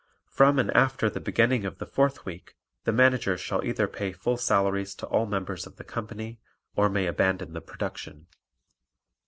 From and after the beginning of the fourth week the Manager shall either pay full salaries to all members of the company or may abandon the production.